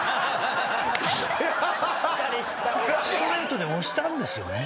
ストレートで押したんですよね。